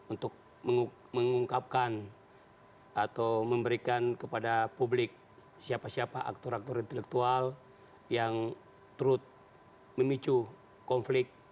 untuk mengungkapkan atau memberikan kepada publik siapa siapa aktor aktor intelektual yang turut memicu konflik